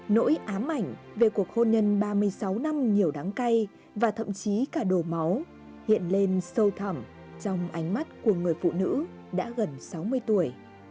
nỗi ám ảnh về cuộc hôn nhân ba mươi sáu năm nhiều đáng cay và thậm chí cả đồ máu hiện lên sâu thẳm trong ánh mắt của người phụ nữ đã gần sáu mươi tuổi